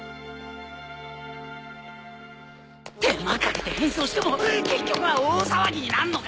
手間かけて変装しても結局は大騒ぎになんのかよ。